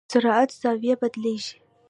سرعت زاویه بدلېږي.